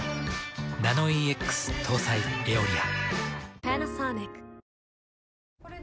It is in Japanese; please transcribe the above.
ナノイーＸ搭載「エオリア」。